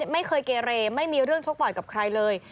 ไม่เคยเกเรไม่มีเรื่องชกต่อยกับใครเลย